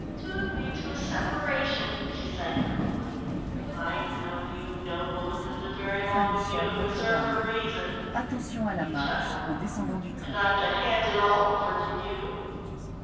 "To agree to a separation," she said coolly. "I know you. No woman could live very long with you and preserve her reason." He chuckled. "And I'm to hand it all over to you?"